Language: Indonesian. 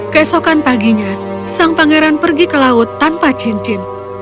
keesokan paginya sang pangeran pergi ke laut tanpa cincin